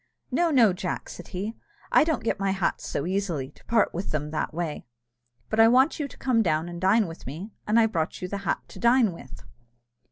"No, no, Jack," said he, "I don't get my hats so easily, to part with them that way; but I want you to come down and dine with me, and I brought you the hat to dine with."